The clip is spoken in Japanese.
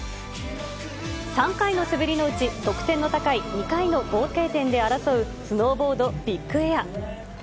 ３回の滑りのうち、得点の高い２回の合計点で争う、スノーボードビッグエア。